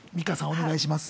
お願いします。